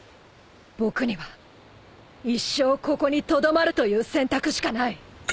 僕には一生ここにとどまるという選択しかない。